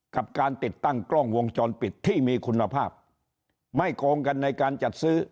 กับการติดตั้งกล้องวงจรปิดที่มีคุณภาพไม่โกงกันในการจัดซื้อ